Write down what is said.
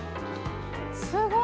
すごい！